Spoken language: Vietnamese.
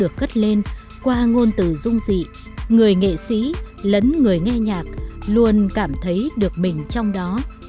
cất lên qua ngôn từ dung dị người nghệ sĩ lẫn người nghe nhạc luôn cảm thấy được mình trong đó